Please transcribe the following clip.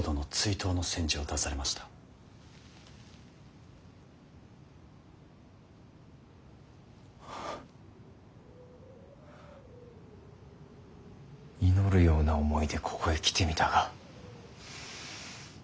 祈るような思いでここへ来てみたが無駄だったか。